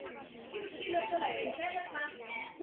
以灌溉为主要功能。